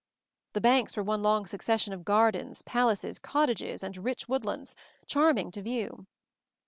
The banks were one long succession of gardens, palaces, cottages and rich wood lands, charming to view.